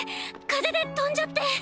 風で飛んじゃって